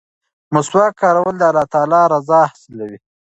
مسواک کارول د الله تعالی رضا حاصلوي.